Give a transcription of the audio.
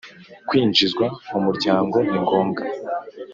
Kwinjizwa mu muryango ningombwa.